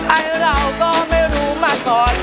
ไอ้เราก็ไม่รู้มาก่อน